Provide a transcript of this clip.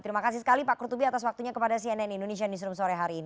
terima kasih sekali pak kurtubi atas waktunya kepada cnn indonesia newsroom sore hari ini